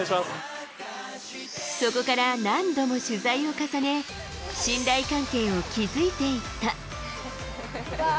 そこから何度も取材を重ね、信頼関係を築いていった。